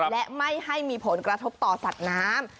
และไม่ให้มีผลกระทบต่อสัตว์น้ำ